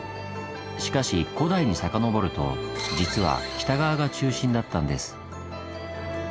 しかし古代に遡ると実は北側が中心だったんです。